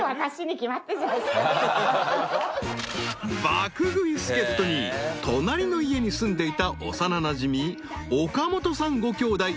［爆食い助っ人に隣の家に住んでいた幼なじみ岡本さんごきょうだい。